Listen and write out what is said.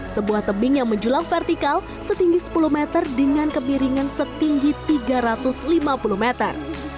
sebuah tebing yang menjulang vertikal setinggi sepuluh meter dengan kemiringan setinggi tiga ratus lima puluh meter